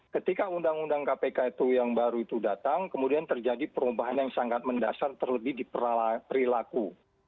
ketika undang undang kpk itu yang baru itu datang kemudian terjadi perubahan yang sangat mendasar terlebih di perilaku